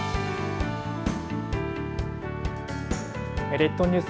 列島ニュース